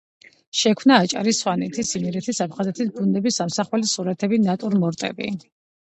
შექმნა აჭარის, სვანეთის, იმერეთის, აფხაზეთის ბუნების ამსახველი სურათები, ნატურმორტები.